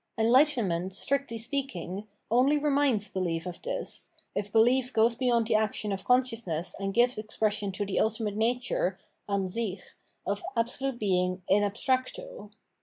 Enhghtenment, strictly speaking, only reminds behef of this, if behef goes beyond the action of consciousness and gives expression to the ulti mate nature (Ansick) of absolute Being in abstracto.